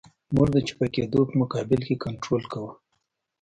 موږ د چپه کېدو په مقابل کې کنټرول کوو